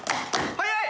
早い！